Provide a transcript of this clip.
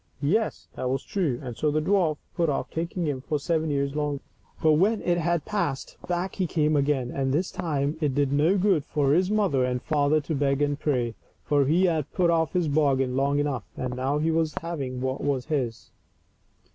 Yes, that was true, and so the dwarf put off taking him for seven years longer. But when it had passed, back he came again, and this time it did no good for his mother and father to beg and pray, for he had put off his bargain long enough, and now he was for having what was his.